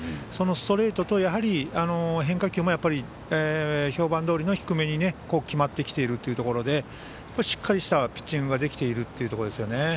そのストレートと、変化球も評判どおりの低めに決まってきているというところでしっかりしたピッチングができているというところですね。